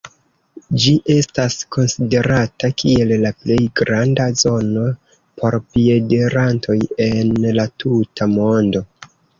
Ĝi estas konsiderata kiel la plej granda zono por piedirantoj en la tuta mondo.